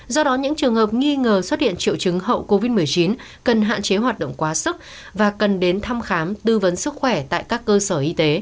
do đó những trường hợp nghi ngờ xuất hiện triệu chứng hậu covid một mươi chín cần hạn chế hoạt động quá sức và cần đến thăm khám tư vấn sức khỏe tại các cơ sở y tế